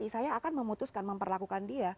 saya memutuskan memperlakukan dia